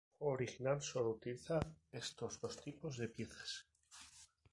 El juego original solo utiliza estos dos tipos de piezas.